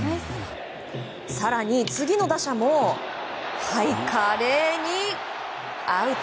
更に次の打者も華麗にアウト！